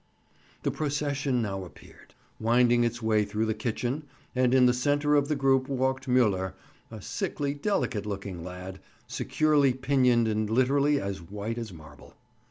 The procession now appeared, winding its way through the kitchen, and in the centre of the group walked Müller, a sickly, delicate looking lad, securely pinioned and literally as white as marble.